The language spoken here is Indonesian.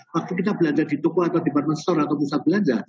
waktu kita belanja di toko atau di partment store atau pusat belanja